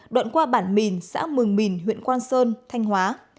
đoạn qua bản mìn xã mường mìn huyện quang sơn thanh hóa